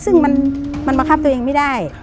ซึ่งมันบังคับตัวเองไม่ได้